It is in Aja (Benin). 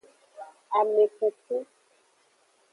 Amekuku.